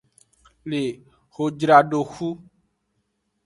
Le hojradoxu.